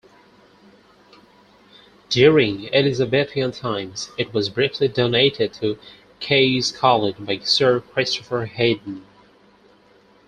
During Elizabethian times, it was briefly donated to Caius College by Sir Christopher Heydon.